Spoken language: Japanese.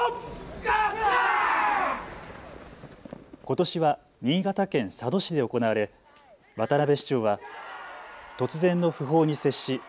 ことしは新潟県佐渡市で行われ渡辺市長は突然の訃報に接し